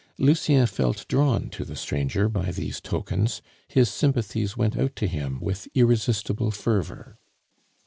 Lucien felt drawn to the stranger by these tokens; his sympathies went out to him with irresistible fervor.